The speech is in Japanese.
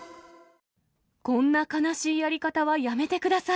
こんな悲しいやり方はやめてください。